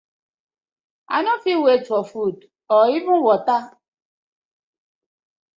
I no fit wait for food or even watta.